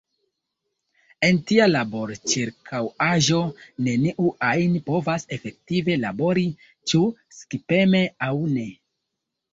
En tia laborĉirkaŭaĵo neniu ajn povas efektive labori - ĉu skipeme aŭ ne.